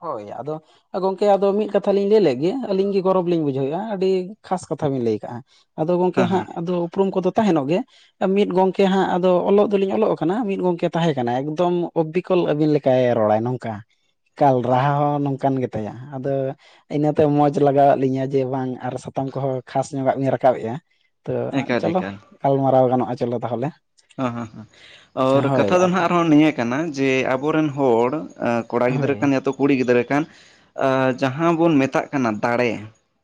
ᱦᱳᱭ ᱟᱫᱚ ᱾ ᱜᱚᱝᱠᱮ ᱟᱫᱚ ᱢᱤᱫ ᱠᱟᱛᱷᱟ ᱞᱤᱧ ᱞᱟᱹᱭ ᱞᱮᱜᱮ ᱟᱹᱞᱤᱧ ᱜᱮ ᱜᱚᱨᱚᱵᱽ ᱞᱤᱧ ᱵᱩᱡᱷᱟᱹᱣᱮᱫᱼᱟ ᱟᱹᱰᱤ ᱠᱷᱟᱥ ᱠᱟᱛᱷᱟ ᱵᱤᱱ ᱞᱟᱹᱭ ᱠᱟᱜᱼᱟ ᱾ ᱟᱫᱚ ᱜᱚᱝᱠᱮ ᱦᱮᱸ ᱦᱟᱸᱜ ᱦᱮᱸ ᱟᱫᱚ ᱩᱯᱨᱩᱢ ᱠᱚᱫᱚ ᱛᱟᱦᱮᱱᱚᱜ ᱜᱮ ᱾ ᱢᱤᱫ ᱜᱚᱝᱠᱮ ᱦᱟᱸᱜ ᱟᱫᱚ ᱚᱞᱚᱜ ᱫᱚᱞᱤᱧ ᱚᱞᱚᱜ ᱠᱟᱱᱟ ᱢᱤᱫ ᱜᱚᱝᱠᱮ ᱛᱟᱦᱮᱸ ᱠᱟᱱᱟᱭ ᱮᱠᱫᱚᱢ ᱚᱵᱤᱠ ᱠᱚᱞ ᱟᱵᱤᱱ ᱞᱮᱠᱟᱭ ᱨᱚᱲᱟ ᱱᱚᱝᱠᱟ ᱾ ᱮᱠᱟᱞ ᱨᱟᱦᱟ ᱦᱚᱸ ᱱᱚᱝᱠᱟᱱ ᱜᱮ ᱛᱟᱭᱟ ᱟᱫᱚᱼᱼ ᱤᱱᱟᱹ ᱛᱟᱭᱚᱢ ᱢᱚᱸᱡᱽ ᱞᱟᱜᱟᱣᱟᱫ ᱞᱤᱧᱟᱹ ᱡᱮ ᱵᱟᱝ ᱟᱨ ᱥᱟᱛᱳᱢ ᱠᱚᱦᱚ ᱠᱷᱟᱥ ᱧᱚᱜᱟᱜ ᱵᱤᱱ ᱨᱟᱠᱟᱵᱮᱜᱼᱟ ᱾ ᱛᱚ ᱮᱠᱟᱞ ᱪᱚᱞᱚ ᱮᱠᱟᱞ ᱜᱟᱞᱢᱟᱨᱟᱣ ᱜᱟᱱᱚᱜᱼᱟ ᱪᱚᱞᱚ ᱛᱟᱦᱚᱞᱮ ᱾ ᱦᱚᱸ ᱦᱚᱸ ᱦᱚᱸ ᱚᱣᱨ ᱠᱟᱛᱷᱟ ᱫᱚ ᱟᱫᱚ ᱱᱷᱟᱸᱜ ᱟᱨᱦᱚᱸ ᱱᱤᱭᱟᱹ ᱠᱟᱱᱟ ᱡᱮ ᱟᱵᱚᱨᱤᱱ ᱦᱚᱲᱼᱼ ᱟᱸ ᱠᱚᱲᱟ ᱦᱳᱭ ᱜᱤᱫᱽᱨᱟᱹ ᱭᱟ ᱛᱚ ᱠᱩᱲᱤ ᱜᱤᱫᱽᱨᱟᱹ ᱠᱟᱱ, ᱟᱸ ᱡᱟᱦᱟᱸ ᱵᱚᱱ ᱢᱮᱛᱟᱜ ᱠᱟᱱᱟ ᱫᱟᱲᱮ,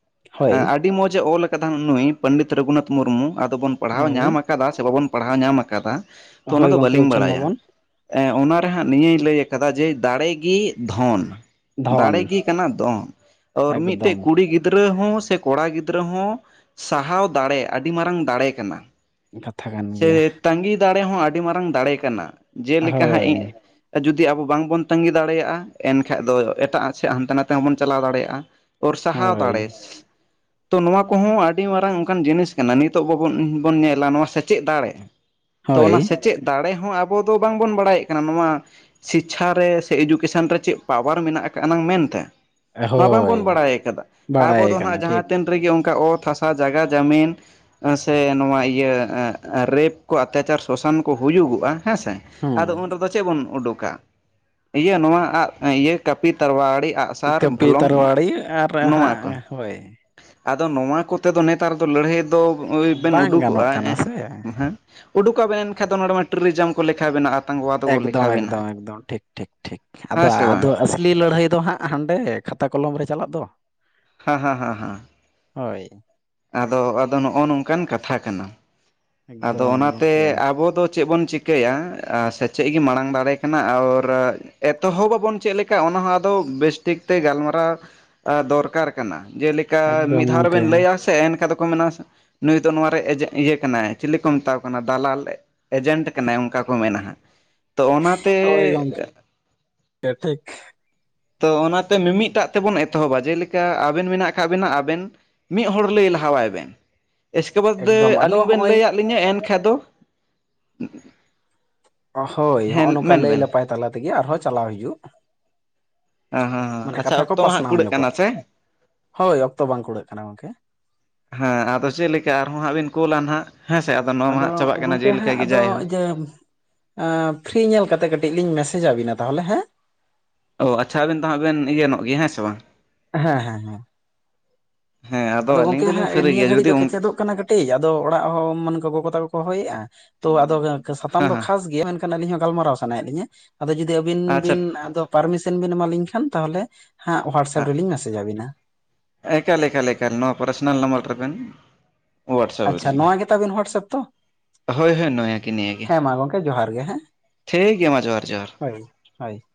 ᱼᱼ ᱦᱳᱭ ᱟᱸ ᱟᱹᱰᱤ ᱢᱚᱸᱡᱽ ᱮ ᱚᱞ ᱟᱠᱟᱫᱟ ᱱᱩᱜ ᱱᱩᱭ ᱯᱟᱹᱱᱰᱤᱛ ᱨᱟᱹᱜᱩᱱᱟᱛᱷ ᱢᱩᱨᱢᱩ ᱟᱫᱚ ᱵᱚᱱ ᱯᱟᱲᱦᱟᱣ ᱦᱳᱭ ᱧᱟᱢ, ᱟ- ᱠᱟᱫᱟ ᱥᱮ ᱵᱟᱵᱚᱱ ᱯᱟᱲᱦᱟᱣ ᱧᱟᱢ ᱟᱠᱟᱫᱟ ᱛᱚ ᱚᱱᱟ ᱦᱳᱭ ᱫᱚ ᱜᱚᱝᱠᱮ ᱵᱟᱹᱞᱤᱧ ᱩᱪᱷᱟᱹᱱ ᱵᱟᱲᱟᱭᱟ, ᱢᱟᱵᱚᱱ ᱮᱸ ᱚᱱᱟ ᱨᱮ ᱦᱟᱸᱜ ᱱᱤᱭᱟᱹᱭ ᱞᱟᱹᱭ ᱟᱠᱟᱫᱟ ᱡᱮ ᱫᱟᱲᱮ ᱜᱤ ᱫᱷᱚᱱ ᱾ ᱫᱷᱚᱱ ᱫᱟᱲᱮ ᱜᱮ ᱠᱟᱱᱟ ᱫᱚᱱ, ᱳᱨ ᱢᱤᱫᱴᱮᱡ ᱮᱠᱫᱚᱢ ᱠᱩᱲᱤ ᱜᱤᱼᱼ ᱫᱽᱨᱟᱹ ᱦᱚᱸ ᱥᱮ ᱠᱚᱲᱟ ᱜᱤᱫᱽᱨᱟᱹ ᱦᱚᱸ ᱥᱟᱦᱟᱣ ᱫᱟᱲᱮ ᱟᱹᱰᱤ ᱢᱟᱨᱟᱝ ᱫᱟᱲᱮ ᱠᱟᱱᱟ ᱾ ᱠᱟᱛᱷᱟ ᱠᱟᱱ ᱜᱮᱭᱟ ᱾ ᱛᱟᱸᱜᱤ ᱫᱟᱲᱮ ᱦᱚᱸ ᱟᱹᱰᱤ ᱢᱟᱨᱟᱝ ᱫᱟᱲᱮ ᱠᱟᱱᱟ ᱡᱮᱞᱮᱠᱟ ᱦᱟᱸᱜ ᱤᱸᱜᱼᱼ ᱦᱳᱭ ᱟ ᱡᱩᱫᱤ ᱟᱵᱚ ᱵᱟᱝᱵᱚᱱ ᱛᱟᱺᱜᱤ ᱫᱟᱲᱮᱭᱟᱜᱼᱟ, ᱮᱱᱠᱷᱟᱡ ᱫᱚ ᱮᱴᱟᱜ ᱥᱮᱜ ᱦᱟᱱᱛᱮ ᱱᱷᱟᱛᱮ ᱦᱚᱸᱵᱚᱱ ᱪᱟᱞᱟᱣ ᱫᱟᱲᱮᱭᱟᱜᱼᱟ, ᱚᱨ ᱥᱟᱦᱟᱣ ᱦᱳᱭ ᱫᱟᱲᱮᱥ, ᱛᱚ ᱱᱚᱣᱟ ᱠᱚᱦᱚᱸ ᱟᱹᱰᱤ ᱢᱟᱨᱟᱝ ᱚᱸᱠᱟᱱ ᱡᱤᱱᱤᱥ ᱠᱟᱱᱟ ᱱᱤᱛᱚᱜ ᱵᱟᱵᱚᱱ ᱩᱸᱦ ᱵᱚᱱ ᱧᱮᱞᱟ ᱱᱚᱣᱟ ᱥᱮᱪᱮᱫ ᱫᱟᱲᱮ, ᱛᱚ ᱦᱳᱭ ᱚᱱᱟ ᱥᱮᱪᱮᱫ ᱫᱟᱲᱮ ᱦᱚᱸ ᱟᱵᱚ ᱫᱚ ᱵᱟᱝᱵᱚᱱ ᱵᱟᱰᱟᱭᱮᱜ ᱠᱟᱱᱟ ᱱᱚᱣᱟ ᱥᱤᱪᱷᱟ ᱨᱮ ᱥᱮ ᱤᱰᱩᱠᱮᱥᱚᱱ ᱨᱮ ᱪᱮᱜ ᱯᱟᱣᱟᱨ ᱢᱮᱱᱟᱜ ᱟᱠᱟᱜᱼᱟ ᱱᱟᱝ ᱢᱮᱱᱛᱮ? ᱱᱚᱣᱟ ᱦᱳᱭ ᱵᱟᱝᱵᱚᱱ ᱵᱟᱲᱟᱭ ᱟᱠᱟᱫᱟᱜ, ᱟᱵᱚ ᱵᱟᱲᱟᱭ ᱫᱚ ᱠᱟᱱᱟ ᱱᱷᱟᱸᱜ ᱴᱷᱤᱠ ᱡᱟᱦᱟᱸ ᱛᱤᱱ ᱨᱮᱜᱮ ᱚᱸᱠᱟ ᱚᱛ ᱦᱟᱥ- ᱟ, ᱡᱟᱜᱟ ᱡᱟᱹᱢᱤᱱ ᱮᱸ ᱥᱮ ᱱᱚᱣᱟ ᱤᱭᱟᱹ ᱮᱸ ᱨᱮᱯ ᱠᱚ ᱚᱛᱭᱟᱪᱟᱨ ᱥᱳᱥᱟᱱ ᱠᱚ ᱦᱩᱭᱩᱜᱚᱜᱼᱟ ᱦᱮᱸᱥᱮ ᱟᱸᱫᱚ ᱦᱩᱸ ᱩᱱ ᱨᱮᱫᱚ ᱪᱮᱜ ᱵᱚᱱ ᱩᱰᱩᱠᱟ? ᱤᱭᱟᱹ ᱱᱚᱣᱟ ᱟᱜ ᱮᱸᱜ ᱤᱭᱟᱹ ᱠᱟᱹᱯᱤ ᱛᱟᱨᱣᱟᱲᱤ ᱟᱜ- ᱠᱟᱹᱯᱤ ᱛᱟᱨᱣᱟᱲᱤᱭᱟᱹ ᱟᱨ ᱦᱟᱸᱜ ᱦᱳᱭ᱾ ᱟᱸᱫᱚ ᱱᱚᱣᱟ ᱠᱚᱛᱮ ᱫᱚ ᱱᱮᱛᱟᱨ ᱫᱚ ᱞᱟᱹᱲᱦᱟᱹᱭ ᱫᱚ ᱟᱹ ᱵᱮᱱ ᱵᱟᱝ ᱩᱰᱩᱠᱚᱜᱼᱟ ᱜᱟᱱᱚᱜ ᱠᱟᱱᱟ ᱮᱸᱦ ᱥᱮ ᱦᱮᱸ ᱩᱰᱩᱠ ᱟᱵᱮᱱ ᱮᱱᱠᱷᱟᱡ ᱫᱚ ᱱᱚᱰᱮ ᱢᱟ ᱴᱤᱨᱤᱡᱟᱢ ᱠᱚ ᱞᱮᱠᱷᱟ ᱵᱤᱱᱟ ᱟᱫ- ᱮᱠᱫᱚᱢ ᱮᱠᱫᱚᱢ ᱮᱠᱫᱚᱢ ᱴᱷᱤᱠ ᱴᱷᱤᱠ ᱴᱷᱤᱠ ᱟᱫᱚ ᱦᱮᱸ ᱥᱮ ᱟᱫᱚ ᱵᱟᱝ ᱟᱹᱥ- ᱞᱤ ᱞᱟᱹᱲᱦᱟᱹᱭ ᱫᱚ ᱦᱟᱸᱜ ᱦᱟᱸᱰᱮ ᱠᱷᱟᱛᱟ ᱠᱚᱞᱚᱢ ᱨᱮ ᱪᱟᱞᱟᱜ ᱫᱚ᱾ ᱦᱟᱸ, ᱦᱟᱸ ᱦᱟᱸ ᱦᱟᱸ᱾ ᱦᱳᱭ᱾ ᱟᱫᱚ ᱟᱫᱚ ᱱᱚᱜᱼᱚᱼᱱᱚᱝᱠᱟᱱ ᱠᱟᱛᱷᱟ ᱠᱟᱱᱟ? ᱟᱹᱫᱚ ᱮᱠᱫᱚᱢ ᱚᱱᱟᱛᱮ ᱜᱚᱢᱠᱮ ᱟᱵᱚ ᱫᱚ ᱪᱮᱜ ᱵᱚᱱ ᱪᱤᱠ- ᱠᱤᱭᱟ ᱟ ᱥᱮᱪᱮᱜ ᱜᱮ ᱢᱟᱲᱟᱝ ᱫᱟᱲᱮ ᱠᱟᱱᱟ ᱟᱣᱨ ᱮᱛᱚᱦᱚᱵ ᱵᱟᱵᱚᱱ ᱪᱮᱜ ᱞᱮᱠᱟ ᱚᱱᱟ ᱦᱚᱸ ᱟᱫᱚ ᱵᱮᱥ ᱴᱷᱤᱠ ᱛᱮ ᱜᱟᱞᱢᱟᱨᱟᱣ ᱮᱸ ᱫᱚᱨᱠᱟᱨ ᱠᱟᱱᱟ ᱡᱮᱞᱮᱠᱟ ᱮᱠᱫᱚᱢ ᱢᱤᱫ ᱫᱷᱟᱣ ᱜᱚᱢᱠᱮ ᱨᱮᱵᱮᱱ ᱞᱟᱹᱭ ᱟᱥ- ᱛᱮ ᱮᱱᱠᱷᱟᱫ ᱫᱚᱠᱚ ᱢᱮᱱᱟᱥ ᱱᱩᱭ ᱫᱚ ᱱᱚᱣᱟ ᱨᱮ ᱮᱡᱮ ᱤᱭᱟᱹ ᱠᱟᱱᱟᱹᱭ, ᱪᱤᱞᱤ ᱠᱚ ᱢᱮᱛᱟ ᱣᱟᱠᱚ ᱠᱟᱱᱟ ᱫᱟᱞᱟᱞ᱾ ᱮᱡᱮᱱᱴ ᱠᱟᱱᱟᱭ ᱚᱸᱠᱟ ᱠᱚ ᱢᱮᱱᱼᱟ ᱦᱟᱸᱜ᱾ ᱛᱚ ᱚᱱᱟᱛᱮ ᱚ ᱦᱳᱭ ᱜᱚᱝ ᱠᱮ ᱴᱷᱤᱠ᱾ ᱛᱚ ᱚᱱᱟᱛᱮ ᱢᱤᱢᱤᱫ ᱴᱟᱜ ᱛᱮᱵᱚᱱ ᱮᱛᱚᱦᱚᱵᱼᱟ ᱡᱮᱞᱮᱠᱟ ᱟᱵᱮᱱ ᱢᱮᱱᱟᱜ ᱟᱠᱟᱜ ᱵᱮᱱᱟ ᱟᱵᱮᱱ, ᱢᱤᱜ ᱦᱚᱲ ᱞᱟᱹᱭ ᱞᱟᱦᱟᱣᱟᱭ ᱵᱮᱱ, ᱮᱥᱠᱮ ᱵᱟᱫᱽᱼᱮ ᱮᱠᱫᱚᱢ ᱟᱫᱚ ᱟᱹᱞᱤᱧ ᱵᱮᱱ ᱦᱚᱸᱜᱼᱚᱭ ᱞᱟᱹᱭ ᱟᱫ ᱞᱤᱧᱟ ᱮᱱᱠᱟᱡ ᱫᱚ [unintelligible] ᱚ ᱦᱳᱭ ᱦᱮᱸ ᱦᱚᱸᱜᱼᱚᱼᱱᱚᱠᱟ ᱢᱮᱱ ᱞᱟᱹᱭ ᱵᱮᱱ ᱞᱟᱯᱟᱭ ᱛᱟᱞᱟ ᱛᱮᱜᱮ ᱟᱨᱦᱚ ᱪᱟᱞᱟᱣ ᱦᱤᱡᱩᱜ? ᱚ ᱦᱚᱸ ᱦᱚᱸ ᱢᱟᱱᱮ ᱟᱪᱪᱷᱟ ᱠᱟᱛᱷᱟ ᱠᱚ ᱚᱠᱛᱚ ᱢᱟ ᱦᱟᱸᱜ ᱯᱟᱥᱱᱟᱣ ᱠᱩᱲᱟᱹᱜ ᱠᱟᱱᱟ ᱧᱚᱜᱚᱜ ᱥᱮ? ᱦᱳᱭ ᱚᱠᱛᱚ ᱵᱟᱝ ᱠᱩᱲᱟᱹᱜ ᱠᱟᱱᱟ ᱜᱚᱢᱠᱮ ᱦᱮᱸ ᱟᱫᱚ ᱪᱮᱫ ᱞᱮᱠᱟ ᱟᱨᱦᱚᱸ ᱦᱟᱸᱜ ᱵᱤᱱ ᱠᱳᱞᱼᱟ ᱱᱷᱟᱸᱜ ᱦᱮᱸᱥᱮ ᱟᱫᱚ ᱱᱚᱣᱟ ᱢᱟ ᱦᱟᱸᱜ ᱪᱟᱵᱟᱜ ᱠᱟᱱᱟ ᱡᱮᱞᱮᱠᱟ ᱜᱮ ᱡᱟᱭ ᱦᱩ- ᱮᱢ, ᱮᱸ ᱯᱷᱤᱨᱤ ᱧᱮᱞ ᱠᱟᱛᱮ ᱠᱟᱹᱴᱤᱡ ᱞᱤᱧ ᱢᱮᱥᱮᱡᱽ ᱟᱹᱵᱤᱱᱟ ᱛᱟᱦᱚᱞᱮ ᱦᱮᱸ? ᱚ ᱟᱪᱪᱷᱟ ᱟᱵᱮᱱ ᱫᱚ ᱦᱟᱸᱜ ᱵᱮᱱ ᱤᱭᱟᱹ ᱱᱚᱜ ᱜᱮ ᱦᱮᱸ ᱥᱮ ᱵᱟᱝ? ᱦᱮᱸ ᱦᱮᱸ ᱦᱮᱸ ᱦᱮᱸ ᱟᱫᱚ ᱟᱹᱞᱤᱧ ᱜᱚᱝᱠᱮ ᱫᱚᱞᱤᱧ ᱦᱟᱸᱜ ᱯᱷᱤᱨᱤ ᱱᱤᱭᱟᱹ ᱜᱮᱭᱟ ᱜᱷᱟᱹᱲᱤᱡ ᱡᱩᱫᱤ ᱫᱚ ᱚᱱᱠᱟ ᱠᱮᱪᱮᱫᱚᱜ ᱠᱟᱱᱟ ᱠᱟᱹᱴ ᱠᱟᱹᱴᱤᱡ ᱟᱫᱚ ᱚᱲᱟᱜ ᱦᱚᱸ ᱢᱟᱱᱮ ᱜᱚᱜᱚ ᱛᱟᱠᱚᱠᱚ ᱦᱚᱭᱮᱜᱼᱟ ᱛᱚ ᱟᱫᱚ ᱥᱟᱛᱟᱢ ᱦᱮᱸ ᱫᱚ ᱦᱮᱸ ᱠᱷᱟᱥ ᱜᱮᱭᱟ ᱢᱮᱱ ᱠᱷᱟᱱ ᱟᱹᱞᱤᱧ ᱦᱚᱸ ᱜᱟᱞᱢᱟᱨᱟ-ᱣ ᱥᱟᱱᱟᱭᱮᱫ ᱞᱤᱧᱟ ᱟᱫᱚ ᱡᱩᱫᱤ ᱟᱹᱵᱤᱱ ᱟᱪᱪᱷᱟ ᱵᱤᱱ ᱟ ᱯᱟᱨᱢᱤᱥᱚᱱ ᱵᱤᱱ ᱮᱢᱟᱞᱤᱧ ᱠᱷᱟᱱ ᱛᱟᱦᱚᱞᱮ ᱦᱟᱸᱜ ᱦᱳᱣᱟᱴᱥᱮᱯ ᱨᱮᱞᱤᱧ ᱢᱮᱥᱮᱡᱽ ᱟᱹᱵᱤᱱᱟ ᱾ ᱮᱠᱟᱞᱮ ᱮᱠᱟᱞ ᱮᱠᱟᱞ ᱱᱚᱣᱟ ᱯᱟᱨᱥᱚᱱᱟᱞ ᱱᱟᱢᱵᱟᱨ ᱨᱮᱵᱮᱱ ᱦᱳᱣᱟᱴᱥᱮᱯ ᱟᱪᱪᱷᱟ ᱟᱹᱞᱤᱧᱟ ᱱᱚᱣᱟ ᱜᱮ ᱛᱟᱵᱮᱱ ᱦᱳᱣᱟᱴᱥᱮᱯ ᱛᱚ? ᱦᱳᱭ ᱦᱳᱭ ᱱᱚᱭᱟ ᱜᱮ ᱱᱤᱭᱟᱹ ᱜᱮ ᱦᱮᱸ ᱢᱟ ᱜᱚᱝᱠᱮ ᱡᱚᱦᱟᱨ ᱜᱮ ᱦᱮᱸ ᱴᱷᱤᱠ ᱜᱮᱭᱟ ᱢᱟ ᱡᱚᱦᱟᱨ ᱡᱚᱦᱟᱨ ᱦᱳᱭ ᱾ ᱦᱳᱭ ᱾